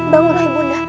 bangunlah ibu nda